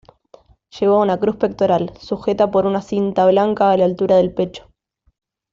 Lleva una cruz pectoral, sujeta por una cinta blanca a la altura del pecho.